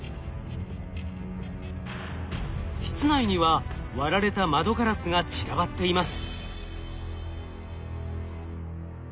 室内には割られた窓ガラスが散らばっています。